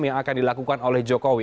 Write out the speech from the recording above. yang akan dilakukan oleh jokowi